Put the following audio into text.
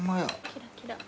キラキラ。